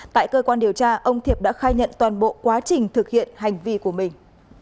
tại cơ quan điều tra ông thiệp đã khai nhận toàn bộ quá trình thực hiện hành vi của mình